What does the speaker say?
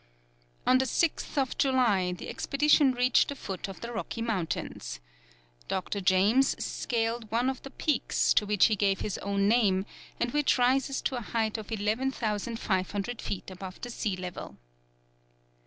On the 6th July, the expedition reached the foot of the Rocky Mountains. Dr. James scaled one of the peaks, to which he gave his own name, and which rises to a height of 11,500 feet above the sea level.